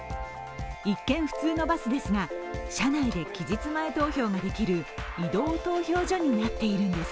一見、普通のバスですが社内で期日前投票ができる移動投票所になっているんです。